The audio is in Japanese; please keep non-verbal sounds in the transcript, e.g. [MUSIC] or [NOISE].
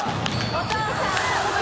お父さん [LAUGHS]